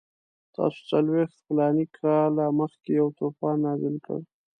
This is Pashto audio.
تاسو څلوېښت فلاني کاله مخکې یو طوفان نازل کړ.